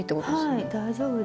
はい大丈夫ですよ。